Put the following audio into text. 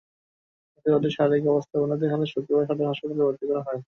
কিন্তু তাঁদের শারীরিক অবস্থার অবনতি হলে শুক্রবার সদর হাসপাতালে ভর্তি করা হয়।